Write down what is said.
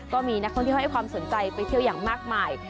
ก็มีนักท่องเที่ยวให้ความสนใจไปเที่ยวอย่างมากมาย